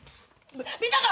見たか！